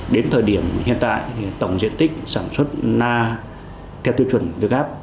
đến thời điểm hiện tại tổng diện tích sản xuất na theo tiêu chuẩn việt gáp